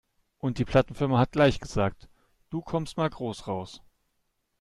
Und die Plattenfirma hat gleich gesagt, du kommst mal groß raus.